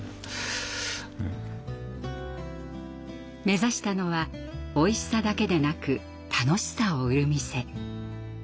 目指したのはおいしさだけでなく楽しさを売る店。